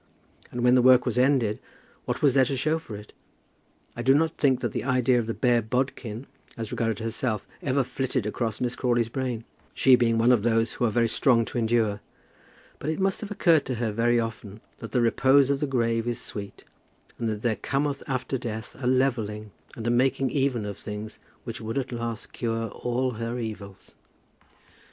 And when the work was ended, what was there to show for it? I do not think that the idea of the bare bodkin, as regarded herself, ever flitted across Mrs. Crawley's brain, she being one of those who are very strong to endure; but it must have occurred to her very often that the repose of the grave is sweet, and that there cometh after death a levelling and making even of things, which would at last cure all her evils.